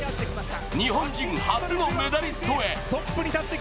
日本人初のメダリストへ。